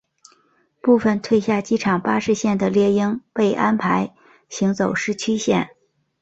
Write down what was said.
部份退下机场巴士线的猎鹰被安排行走市区线。